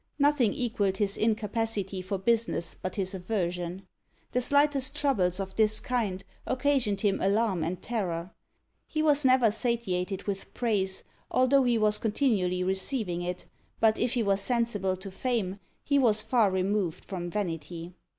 Nothing equalled his incapacity for business but his aversion: the slightest troubles of this kind occasioned him alarm and terror. He was never satiated with praise, although he was continually receiving it; but if he was sensible to fame, he was far removed from vanity.